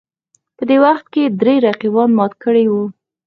په دې وخت کې درې رقیبان مات کړي وو